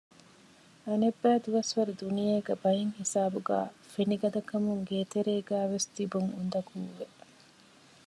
އަނެއްބައި ދުވަސްވަރު ދުނިޔޭގެ ބައެއްހިސާބުގައި ފިނިގަދަކަމުން ގޭތެރޭގައިވެސް ތިބުން އުނދަގޫވެ